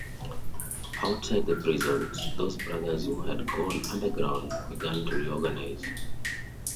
Outside the prisons, those Brothers who had gone underground began to reorganise.